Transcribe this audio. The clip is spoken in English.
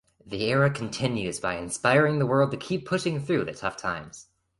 The era continues by inspiring the world to keep pushing through the tough times.